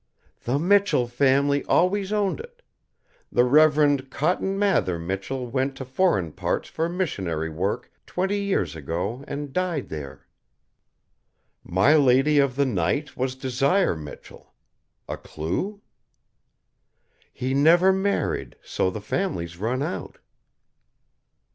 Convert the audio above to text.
"_The Michell family always owned it. The Reverend Cotton Mather Michell went to foreign parts for missionary work twenty years ago and died there _" My lady of the night was Desire Michell. A clue? "_He never married, so the family's run out.